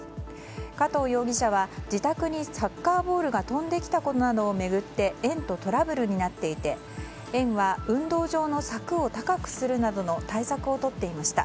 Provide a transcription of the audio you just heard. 加藤容疑者は自宅にサッカーボールが飛んできたことなどを巡って園とトラブルになっていて園は運動場の柵を高くするなどの対策をとっていました。